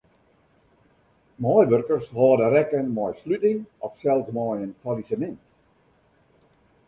Meiwurkers hâlde rekken mei sluting of sels mei in fallisemint.